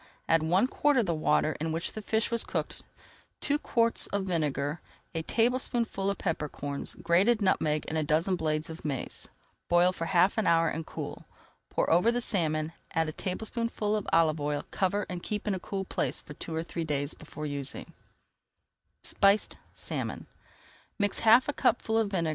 Add one quart of the water in which the fish was cooked, two quarts of vinegar, a tablespoonful of pepper corns, grated nutmeg and a dozen blades of mace. Boil for half an hour and cool. Pour over the salmon, add a tablespoonful of olive oil, cover, and keep in a cool place for two or three days before using.